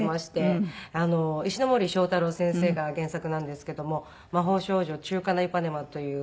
石ノ森章太郎先生が原作なんですけども『魔法少女ちゅうかないぱねま！』という。